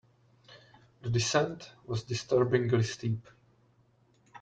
The descent was disturbingly steep.